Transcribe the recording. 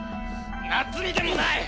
夏美でもない！